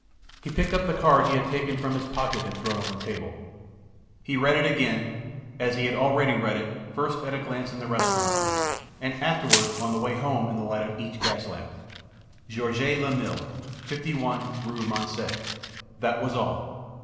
He picked up the card he had taken from his pocket and thrown on a table. He read it again, as he had already read it, first at a glance in the restaurant, and afterward on the way home in the light of each gas lamp: "Georges Lamil, 51 Rue Moncey." That was all.